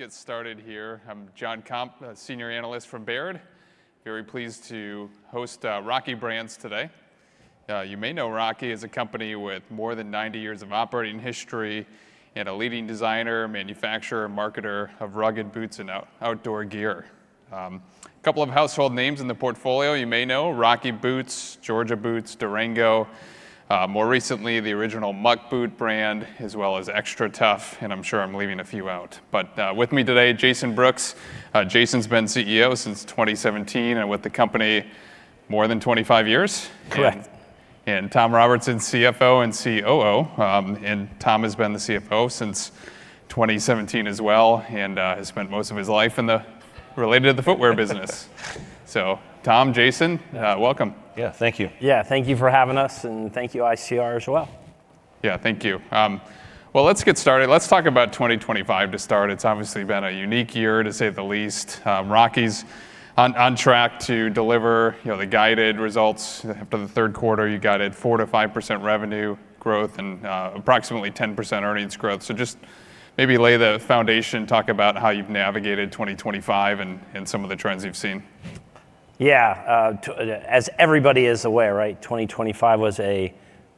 Let's get started here. I'm Jonathan Komp, a Senior Analyst from Baird. Very pleased to host Rocky Brands today. You may know Rocky as a company with more than 90 years of operating history and a leading designer, manufacturer, marketer of rugged boots and outdoor gear. A couple of household names in the portfolio you may know: Rocky Boots, Georgia Boots, Durango, more recently the Original Muck Boot brand, as well as XTRATUF, and I'm sure I'm leaving a few out. But with me today, Jason Brooks. Jason's been CEO since 2017 and with the company more than 25 years. Correct. Tom Robertson, CFO and COO. Tom has been the CFO since 2017 as well and has spent most of his life related to the footwear business. Tom, Jason, welcome. Yeah, thank you. Yeah, thank you for having us and thank you ICR as well. Yeah, thank you. Well, let's get started. Let's talk about 2025 to start. It's obviously been a unique year to say the least. Rocky's on track to deliver the guided results after the third quarter. You got it, 4%-5% revenue growth and approximately 10% earnings growth. So just maybe lay the foundation, talk about how you've navigated 2025 and some of the trends you've seen. Yeah, as everybody is aware, right, 2025 was a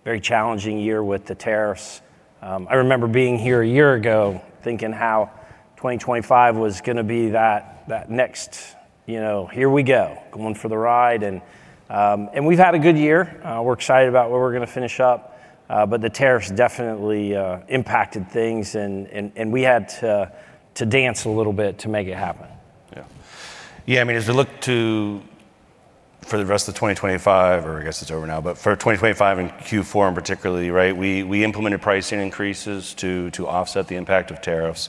very challenging year with the tariffs. I remember being here a year ago thinking how 2025 was going to be that next, you know, here we go, going for the ride. And we've had a good year. We're excited about where we're going to finish up. But the tariffs definitely impacted things, and we had to dance a little bit to make it happen. Yeah, I mean, as we look forward to the rest of 2025, or I guess it's over now, but for 2025 and Q4 in particular, right, we implemented pricing increases to offset the impact of tariffs.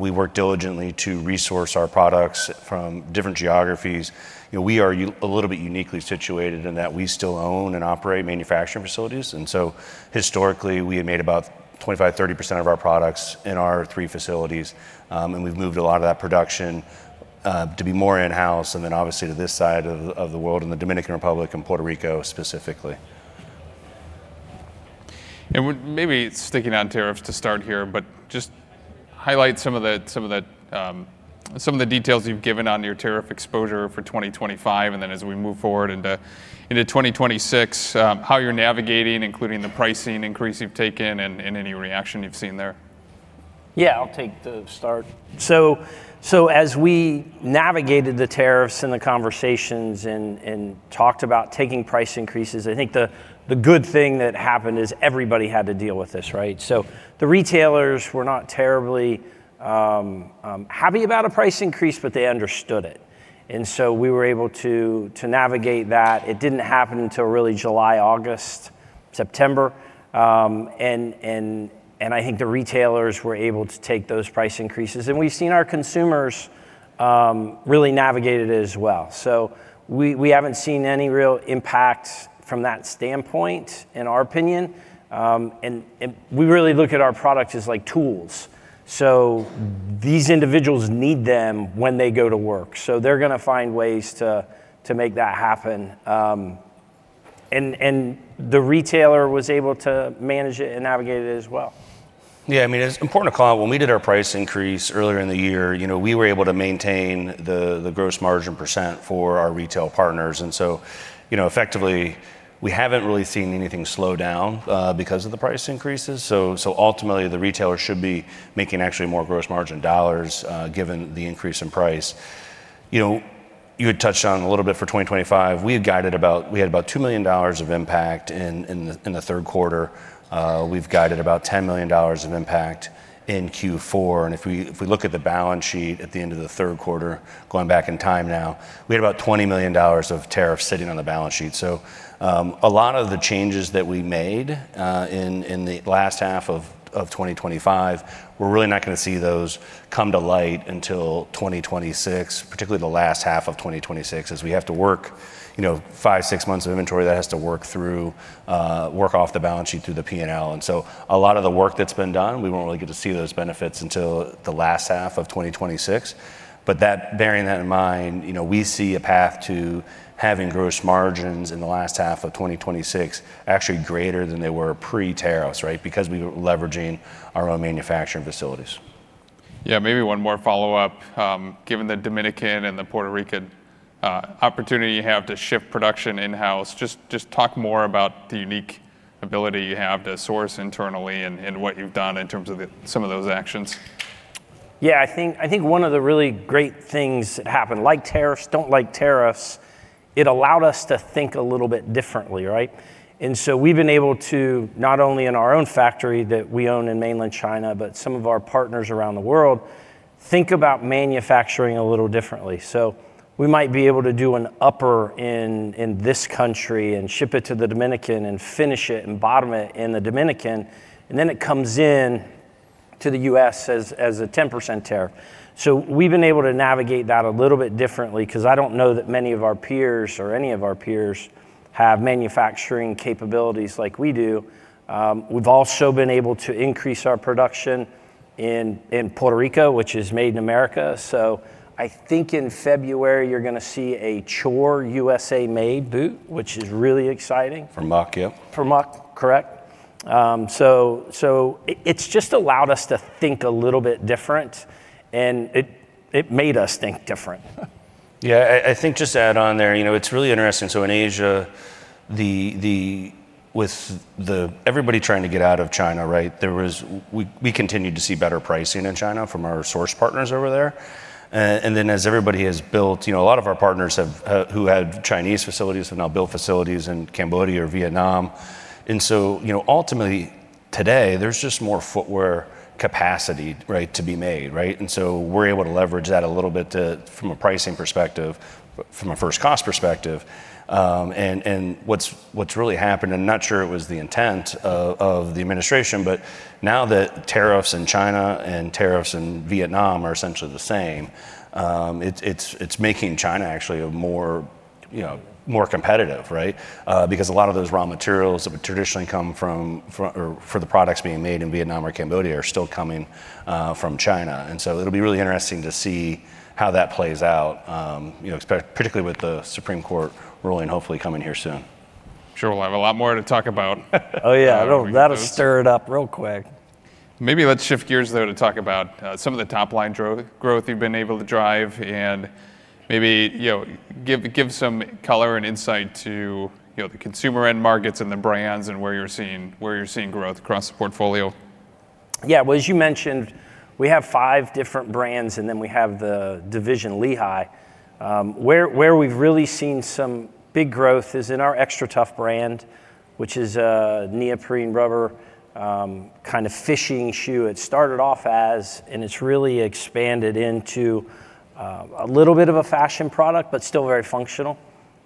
We worked diligently to resource our products from different geographies. We are a little bit uniquely situated in that we still own and operate manufacturing facilities. And so historically, we had made about 25%-30% of our products in our three facilities. And we've moved a lot of that production to be more in-house and then obviously to this side of the world, in the Dominican Republic and Puerto Rico specifically. And maybe sticking on tariffs to start here, but just highlight some of the details you've given on your tariff exposure for 2025. And then as we move forward into 2026, how you're navigating, including the pricing increase you've taken and any reaction you've seen there? Yeah, I'll take the start. So as we navigated the tariffs and the conversations and talked about taking price increases, I think the good thing that happened is everybody had to deal with this, right? So the retailers were not terribly happy about a price increase, but they understood it. And so we were able to navigate that. It didn't happen until really July, August, September. And I think the retailers were able to take those price increases. And we've seen our consumers really navigate it as well. We haven't seen any real impact from that standpoint, in our opinion. And we really look at our products as like tools. So these individuals need them when they go to work. So they're going to find ways to make that happen. And the retailer was able to manage it and navigate it as well. Yeah, I mean, it's important to call out when we did our price increase earlier in the year, you know, we were able to maintain the gross margin % for our retail partners. So effectively, we haven't really seen anything slow down because of the price increases. Ultimately, the retailer should be making actually more gross margin dollars given the increase in price. You had touched on a little bit for 2025. We had about $2 million of impact in the third quarter. We've guided about $10 million of impact in Q4. If we look at the balance sheet at the end of the third quarter, going back in time now, we had about $20 million of tariffs sitting on the balance sheet. So a lot of the changes that we made in the last half of 2025, we're really not going to see those come to light until 2026, particularly the last half of 2026, as we have to work, you know, five, six months of inventory that has to work through, work off the balance sheet through the P&L. And so a lot of the work that's been done, we won't really get to see those benefits until the last half of 2026. But bearing that in mind, you know, we see a path to having gross margins in the last half of 2026 actually greater than they were pre-tariffs, right, because we were leveraging our own manufacturing facilities. Yeah, maybe one more follow-up. Given the Dominican and the Puerto Rican opportunity you have to shift production in-house, just talk more about the unique ability you have to source internally and what you've done in terms of some of those actions. Yeah, I think one of the really great things that happened, like tariffs, don't like tariffs, it allowed us to think a little bit differently, right? And so we've been able to, not only in our own factory that we own in mainland China, but some of our partners around the world, think about manufacturing a little differently. So we might be able to do an upper in this country and ship it to the Dominican and finish it and bottom it in the Dominican, and then it comes into the U.S. as a 10% tariff. So we've been able to navigate that a little bit differently because I don't know that many of our peers or any of our peers have manufacturing capabilities like we do. We've also been able to increase our production in Puerto Rico, which is made in America. I think in February, you're going to see a Chore USA-made boot, which is really exciting. From Muck, yep. From Muck, correct. So it's just allowed us to think a little bit different, and it made us think different. Yeah, I think just to add on there, you know, it's really interesting. So in Asia, with everybody trying to get out of China, right, we continued to see better pricing in China from our source partners over there. And then as everybody has built, you know, a lot of our partners who had Chinese facilities have now built facilities in Cambodia or Vietnam. And so, you know, ultimately today, there's just more footwear capacity, right, to be made, right? And so we're able to leverage that a little bit from a pricing perspective, from a first cost perspective. And what's really happened, and I'm not sure it was the intent of the administration, but now that tariffs in China and tariffs in Vietnam are essentially the same, it's making China actually more competitive, right? Because a lot of those raw materials that would traditionally come from, or for the products being made in Vietnam or Cambodia are still coming from China, and so it'll be really interesting to see how that plays out, you know, particularly with the Supreme Court ruling hopefully coming here soon. Sure, we'll have a lot more to talk about. Oh yeah, that'll stir it up real quick. Maybe let's shift gears though to talk about some of the top line growth you've been able to drive and maybe, you know, give some color and insight to, you know, the consumer end markets and the brands and where you're seeing growth across the portfolio. Yeah, well, as you mentioned, we have five different brands and then we have the division Lehigh. Where we've really seen some big growth is in our XTRATUF brand, which is a neoprene rubber kind of fishing shoe. It started off as, and it's really expanded into a little bit of a fashion product, but still very functional.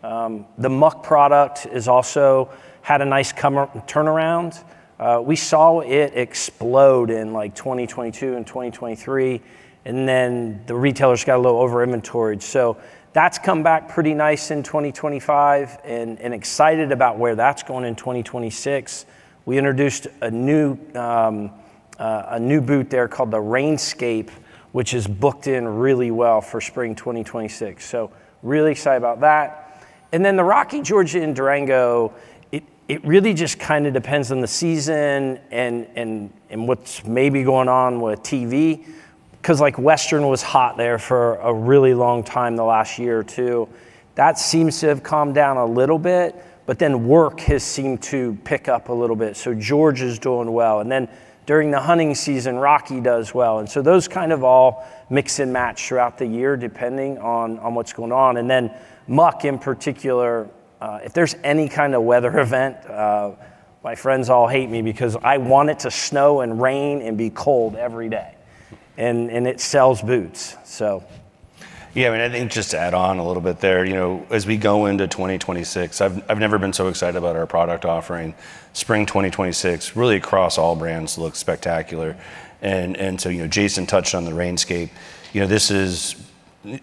The Muck product has also had a nice turnaround. We saw it explode in like 2022 and 2023, and then the retailers got a little over-inventoried. So that's come back pretty nice in 2025 and excited about where that's going in 2026. We introduced a new boot there called the RainScape, which has booked in really well for spring 2026. So really excited about that. And then the Rocky, Georgia, and Durango, it really just kind of depends on the season and what's maybe going on with TV. Because, like, Western was hot there for a really long time, the last year or two. That seems to have calmed down a little bit, but then work has seemed to pick up a little bit. So Georgia is doing well. And then during the hunting season, Rocky does well. And so those kind of all mix and match throughout the year depending on what's going on. And then Muck in particular, if there's any kind of weather event, my friends all hate me because I want it to snow and rain and be cold every day. And it sells boots, so. Yeah, I mean, I think just to add on a little bit there, you know, as we go into 2026, I've never been so excited about our product offering. Spring 2026, really across all brands looks spectacular. And so, you know, Jason touched on the RainScape. You know,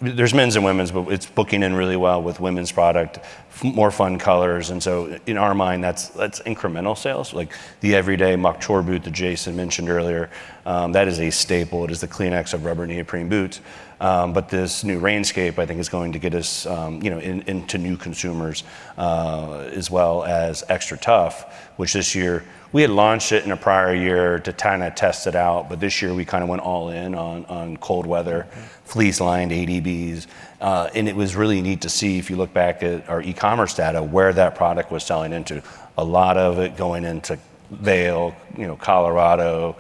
there's men's and women's, but it's booking in really well with women's product, more fun colors. And so in our mind, that's incremental sales. Like the everyday Muck Chore boot that Jason mentioned earlier, that is a staple. It is the Kleenex of rubber neoprene boots. But this new RainScape, I think, is going to get us, you know, into new consumers as well as XTRATUF, which this year, we had launched it in a prior year to kind of test it out, but this year we kind of went all in on cold weather, fleece-lined ADBs. And it was really neat to see if you look back at our e-commerce data where that product was selling into. A lot of it going into Vail, you know, Colorado,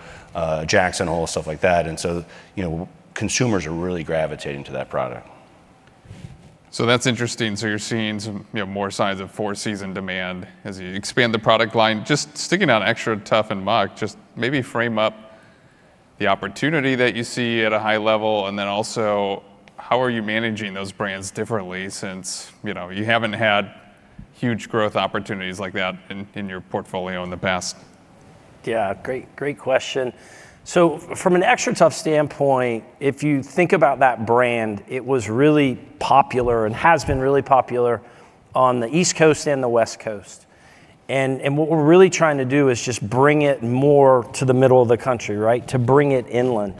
Jackson Hole, stuff like that. And so, you know, consumers are really gravitating to that product. So that's interesting. So you're seeing more signs of four-season demand as you expand the product line. Just sticking on XTRATUF and Muck, just maybe frame up the opportunity that you see at a high level and then also how are you managing those brands differently since, you know, you haven't had huge growth opportunities like that in your portfolio in the past. Yeah, great question. So from an XTRATUF standpoint, if you think about that brand, it was really popular and has been really popular on the East Coast and the West Coast. And what we're really trying to do is just bring it more to the middle of the country, right, to bring it inland.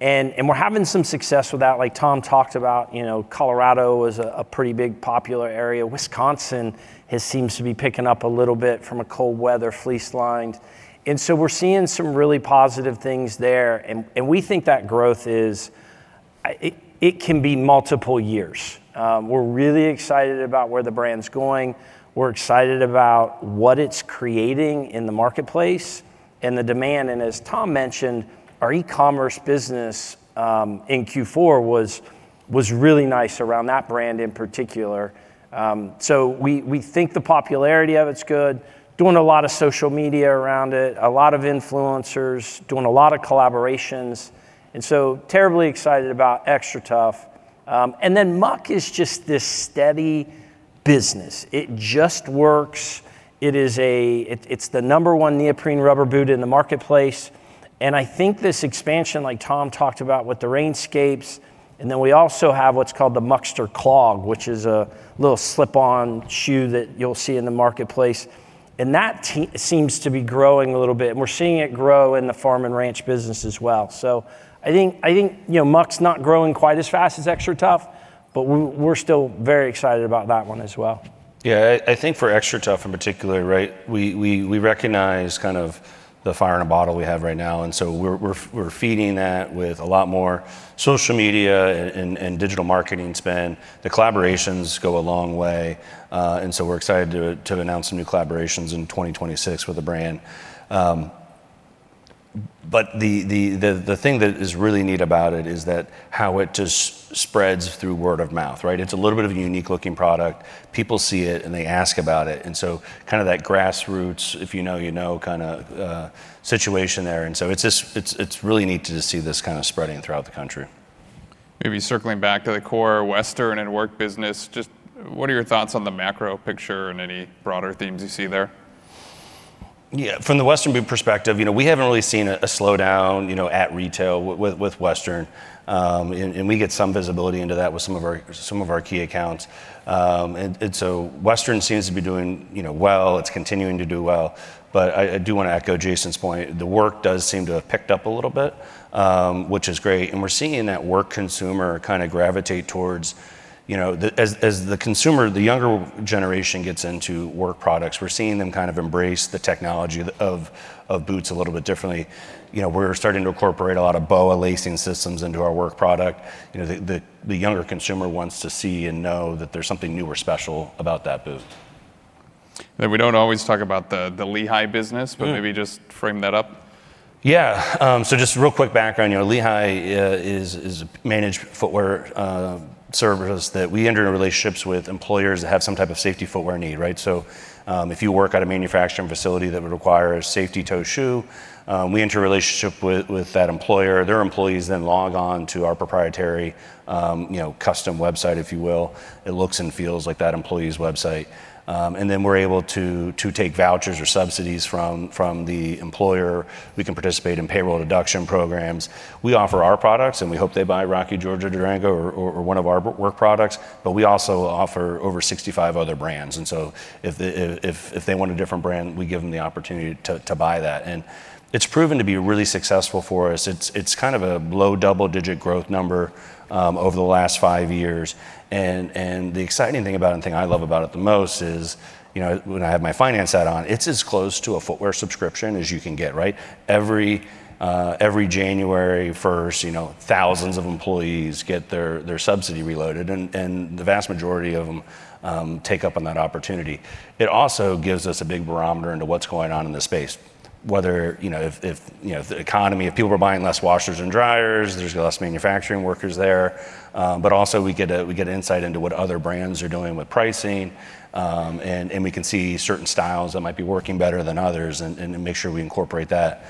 And we're having some success with that. Like Tom talked about, you know, Colorado is a pretty big popular area. Wisconsin has seemed to be picking up a little bit from a cold weather, fleece-lined. And so we're seeing some really positive things there. And we think that growth is, it can be multiple years. We're really excited about where the brand's going. We're excited about what it's creating in the marketplace and the demand. And as Tom mentioned, our e-commerce business in Q4 was really nice around that brand in particular. We think the popularity of it is good, doing a lot of social media around it, a lot of influencers, doing a lot of collaborations. And so terribly excited about XTRATUF. And then Muck is just this steady business. It just works. It is, it's the number one neoprene rubber boot in the marketplace. And I think this expansion, like Tom talked about with the RainScape, and then we also have what's called the Muckster Clog, which is a little slip-on shoe that you'll see in the marketplace. And that seems to be growing a little bit. And we're seeing it grow in the farm and ranch business as well. So I think, you know, Muck's not growing quite as fast as XTRATUF, but we're still very excited about that one as well. Yeah, I think for XTRATUF in particular, right, we recognize kind of the fire in a bottle we have right now. And so we're feeding that with a lot more social media and digital marketing spend. The collaborations go a long way. And so we're excited to announce some new collaborations in 2026 with the brand. But the thing that is really neat about it is that how it just spreads through word of mouth, right? It's a little bit of a unique looking product. People see it and they ask about it. And so kind of that grassroots, if you know, you know kind of situation there. And so it's really neat to see this kind of spreading throughout the country. Maybe circling back to the core Western and work business, just what are your thoughts on the macro picture and any broader themes you see there? Yeah, from the Western boot perspective, you know, we haven't really seen a slowdown, you know, at retail with Western. And we get some visibility into that with some of our key accounts. And so Western seems to be doing, you know, well. It's continuing to do well. But I do want to echo Jason's point. The work does seem to have picked up a little bit, which is great. And we're seeing that work consumer kind of gravitate towards, you know, as the consumer, the younger generation gets into work products, we're seeing them kind of embrace the technology of boots a little bit differently. You know, we're starting to incorporate a lot of BOA lacing systems into our work product. You know, the younger consumer wants to see and know that there's something new or special about that boot. And then we don't always talk about the Lehigh business, but maybe just frame that up. Yeah, so just real quick background, you know, Lehigh is managed footwear services that we enter into relationships with employers that have some type of safety footwear need, right? So if you work at a manufacturing facility that would require a safety toe shoe, we enter a relationship with that employer. Their employees then log on to our proprietary, you know, custom website, if you will. It looks and feels like that employee's website. And then we're able to take vouchers or subsidies from the employer. We can participate in payroll deduction programs. We offer our products and we hope they buy Rocky Georgia Durango or one of our work products, but we also offer over 65 other brands. And so if they want a different brand, we give them the opportunity to buy that. And it's proven to be really successful for us. It's kind of a low double-digit growth number over the last five years. And the exciting thing about it and the thing I love about it the most is, you know, when I have my finance hat on, it's as close to a footwear subscription as you can get, right? Every January 1st, you know, thousands of employees get their subsidy reloaded and the vast majority of them take up on that opportunity. It also gives us a big barometer into what's going on in the space, whether, you know, if the economy, if people were buying less washers and dryers, there's less manufacturing workers there. But also we get insight into what other brands are doing with pricing and we can see certain styles that might be working better than others and make sure we incorporate that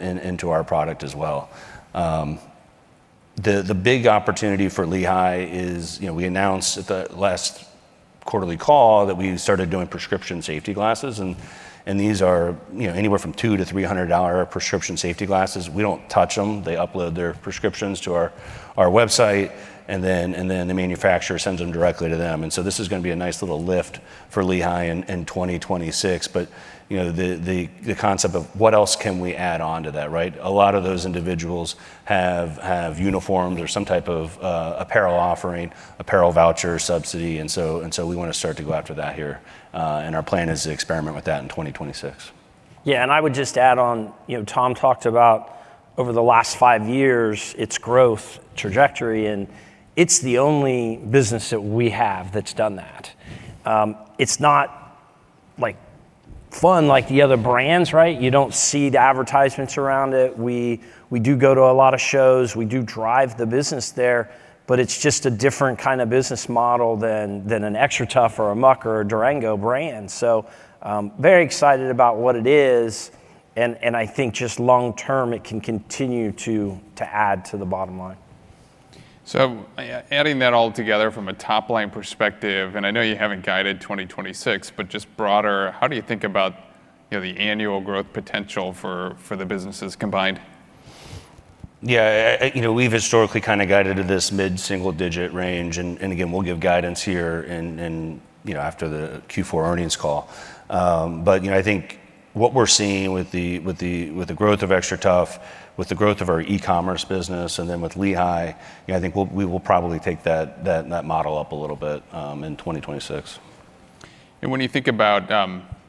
into our product as well. The big opportunity for Lehigh is, you know, we announced at the last quarterly call that we started doing prescription safety glasses and these are, you know, anywhere from $200-$300 prescription safety glasses. We don't touch them. They upload their prescriptions to our website and then the manufacturer sends them directly to them. And so this is going to be a nice little lift for Lehigh in 2026. But, you know, the concept of what else can we add on to that, right? A lot of those individuals have uniforms or some type of apparel offering, apparel voucher, subsidy. And so we want to start to go after that here. Our plan is to experiment with that in 2026. Yeah, I would just add on, you know, Tom talked about over the last five years, its growth trajectory and it's the only business that we have that's done that. It's not like fun like the other brands, right? You don't see the advertisements around it. We do go to a lot of shows. We do drive the business there, but it's just a different kind of business model than an XTRATUF or a Muck or a Durango brand. Very excited about what it is. I think just long term it can continue to add to the bottom line. Adding that all together from a top line perspective, and I know you haven't guided 2026, but just broader, how do you think about, you know, the annual growth potential for the businesses combined? Yeah, you know, we've historically kind of guided to this mid-single digit range. And again, we'll give guidance here and, you know, after the Q4 earnings call. But, you know, I think what we're seeing with the growth of XTRATUF, with the growth of our e-commerce business, and then with Lehigh, you know, I think we will probably take that model up a little bit in 2026. And when you think about,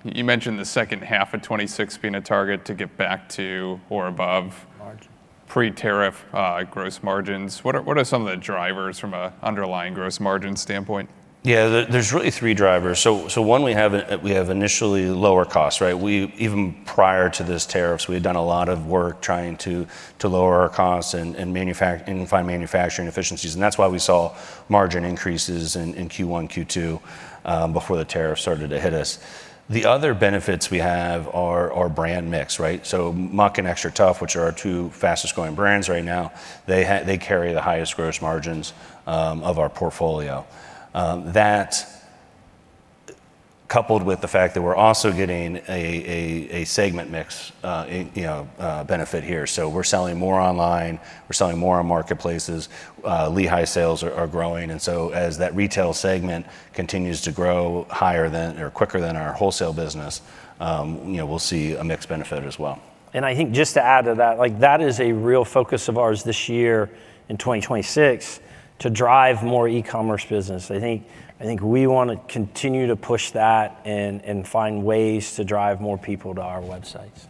you mentioned the second half of 2026 being a target to get back to or above pre-tariff gross margins. What are some of the drivers from an underlying gross margin standpoint? Yeah, there's really three drivers. So one, we have initially lower costs, right? Even prior to this tariffs, we had done a lot of work trying to lower our costs and find manufacturing efficiencies. And that's why we saw margin increases in Q1, Q2 before the tariffs started to hit us. The other benefits we have are our brand mix, right? So Muck and XTRATUF, which are our two fastest growing brands right now, they carry the highest gross margins of our portfolio. That coupled with the fact that we're also getting a segment mix, you know, benefit here. So we're selling more online. We're selling more on marketplaces. Lehigh sales are growing. And so as that retail segment continues to grow higher than or quicker than our wholesale business, you know, we'll see a mixed benefit as well. And I think just to add to that, like that is a real focus of ours this year in 2026 to drive more e-commerce business. I think we want to continue to push that and find ways to drive more people to our websites.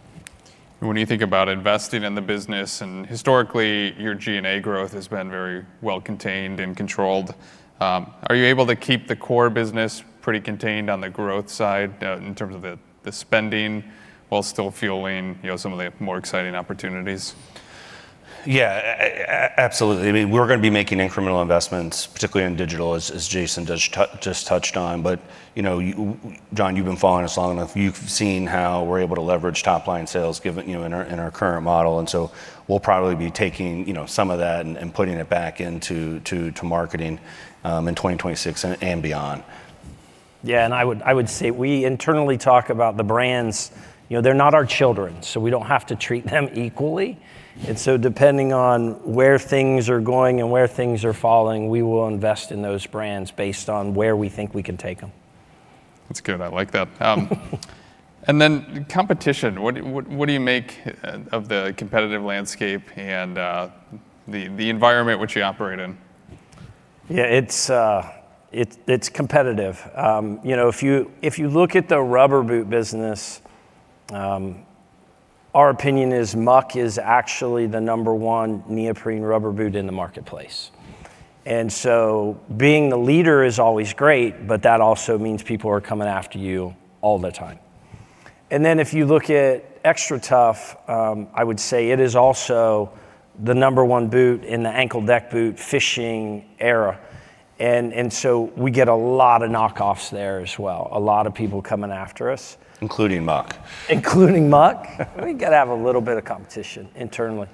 When you think about investing in the business and historically your G&A growth has been very well contained and controlled, are you able to keep the core business pretty contained on the growth side in terms of the spending while still fueling, you know, some of the more exciting opportunities? Yeah, absolutely. I mean, we're going to be making incremental investments, particularly in digital, as Jason just touched on. But, you know, John, you've been following us long enough. You've seen how we're able to leverage top line sales in our current model. And so we'll probably be taking, you know, some of that and putting it back into marketing in 2026 and beyond. Yeah, and I would say we internally talk about the brands, you know, they're not our children. So we don't have to treat them equally. And so depending on where things are going and where things are falling, we will invest in those brands based on where we think we can take them. That's good. I like that. And then competition, what do you make of the competitive landscape and the environment which you operate in? Yeah, it's competitive. You know, if you look at the rubber boot business, our opinion is Muck is actually the number one neoprene rubber boot in the marketplace. And so being the leader is always great, but that also means people are coming after you all the time. And then if you look at XTRATUF, I would say it is also the number one boot in the Ankle Deck Boot fishing area. And so we get a lot of knockoffs there as well. A lot of people coming after us. Including Muck. Including Muck. We got to have a little bit of competition internally,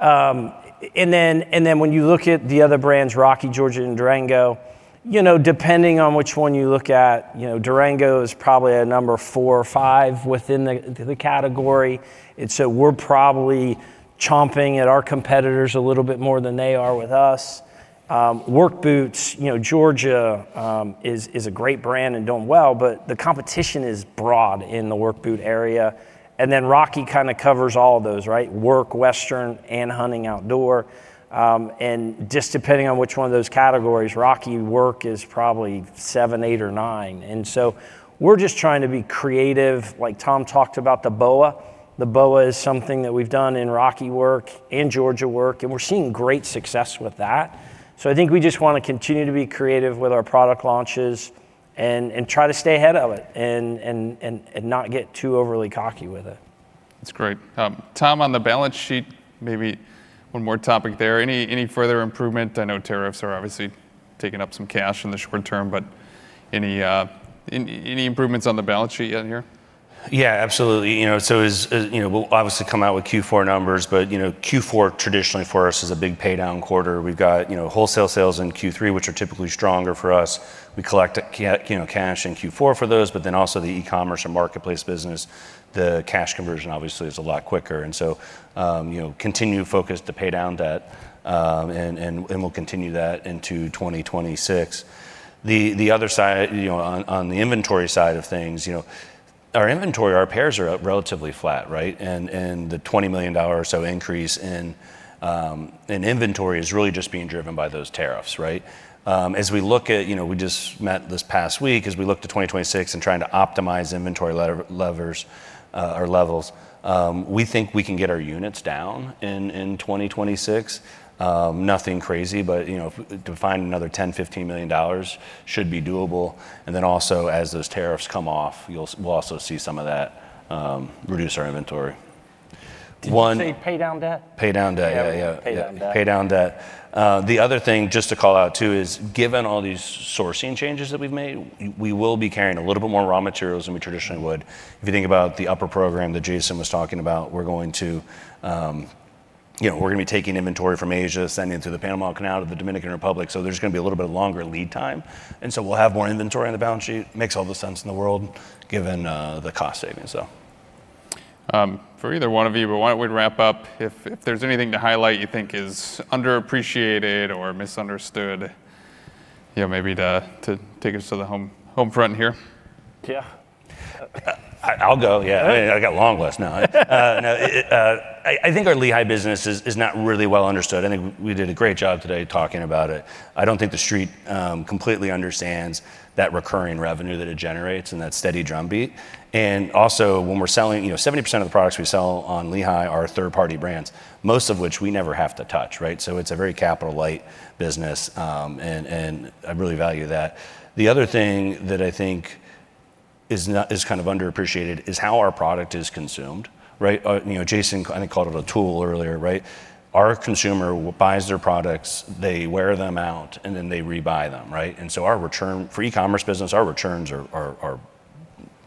and then when you look at the other brands, Rocky, Georgia, and Durango, you know, depending on which one you look at, you know, Durango is probably a number four or five within the category, and so we're probably chomping at our competitors a little bit more than they are with us. Work boots, you know, Georgia is a great brand and doing well, but the competition is broad in the work boot area, and then Rocky kind of covers all of those, right? Work, Western, and hunting outdoor, and just depending on which one of those categories, Rocky work is probably seven, eight, or nine, and so we're just trying to be creative. Like Tom talked about the BOA. The BOA is something that we've done in Rocky Work and Georgia Work, and we're seeing great success with that. I think we just want to continue to be creative with our product launches and try to stay ahead of it and not get too overly cocky with it. That's great. Tom, on the balance sheet, maybe one more topic there. Any further improvement? I know tariffs are obviously taking up some cash in the short term, but any improvements on the balance sheet yet here? Yeah, absolutely. You know, so we'll obviously come out with Q4 numbers, but you know, Q4 traditionally for us is a big paydown quarter. We've got, you know, wholesale sales in Q3, which are typically stronger for us. We collect, you know, cash in Q4 for those, but then also the e-commerce and marketplace business, the cash conversion obviously is a lot quicker. And so, you know, continue focused to pay down that and we'll continue that into 2026. The other side, you know, on the inventory side of things, you know, our inventory, our pairs are relatively flat, right? And the $20 million or so increase in inventory is really just being driven by those tariffs, right? As we look at, you know, we just met this past week as we looked at 2026 and trying to optimize inventory levers or levels, we think we can get our units down in 2026. Nothing crazy, but you know, to find another $10 million-$15 million should be doable. And then also as those tariffs come off, we'll also see some of that reduce our inventory. Did you say pay down debt? Pay down debt, yeah, yeah. Pay down debt. The other thing just to call out too is given all these sourcing changes that we've made, we will be carrying a little bit more raw materials than we traditionally would. If you think about the upper program that Jason was talking about, we're going to, you know, we're going to be taking inventory from Asia, sending it through the Panama Canal to the Dominican Republic. So there's going to be a little bit of longer lead time. And so we'll have more inventory on the balance sheet. Makes all the sense in the world given the cost savings, though. For either one of you, but why don't we wrap up? If there's anything to highlight you think is underappreciated or misunderstood, you know, maybe to take us to the home front here. Yeah. I'll go, yeah. I got a long list now. I think our Lehigh business is not really well understood. I think we did a great job today talking about it. I don't think the street completely understands that recurring revenue that it generates and that steady drumbeat, and also when we're selling, you know, 70% of the products we sell on Lehigh are third-party brands, most of which we never have to touch, right? So it's a very capital-light business and I really value that. The other thing that I think is kind of underappreciated is how our product is consumed, right? You know, Jason kind of called it a tool earlier, right? Our consumer buys their products, they wear them out, and then they rebuy them, right? And so our return for e-commerce business, our returns are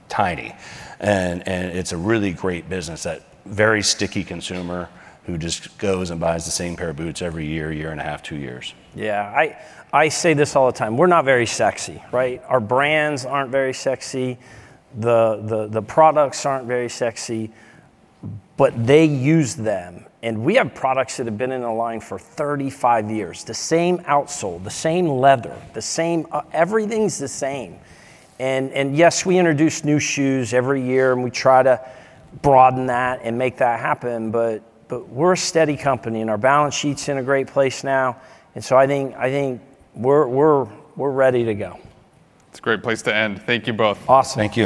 tiny. And it's a really great business, that very sticky consumer who just goes and buys the same pair of boots every year, year and a half, two years. Yeah, I say this all the time. We're not very sexy, right? Our brands aren't very sexy. The products aren't very sexy, but they use them. And we have products that have been in the line for 35 years. The same outsole, the same leather, the same, everything's the same. And yes, we introduce new shoes every year and we try to broaden that and make that happen, but we're a steady company and our balance sheet's in a great place now. And so I think we're ready to go. It's a great place to end. Thank you both. Awesome. Thank you.